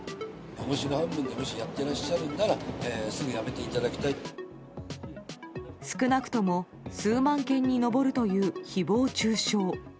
おもしろ半分で、もしやってらっしゃるんなら、すぐやめていただ少なくとも数万件に上るというひぼう中傷。